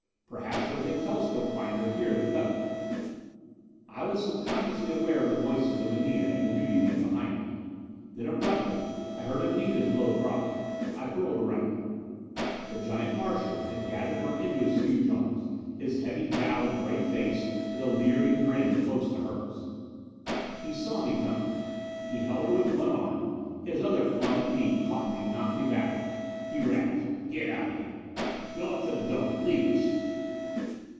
Perhaps there was a telescopic finder here in the cubby.... I was subconsciously aware of the voices of Anita and the duty man behind me. Then abruptly I heard Anita's low cry. I whirled around. The giant Martian had gathered her into his huge arms, his heavy jowled gray face with a leering grin close to hers! He saw me coming. He held her with one arm: his other flung at me, caught me, knocked me backward. He rasped: "Get out of here! Go up to the dome, leave us."